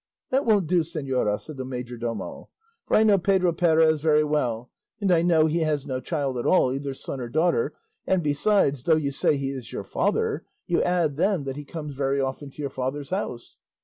"That won't do, señora," said the majordomo; "for I know Pedro Perez very well, and I know he has no child at all, either son or daughter; and besides, though you say he is your father, you add then that he comes very often to your father's house."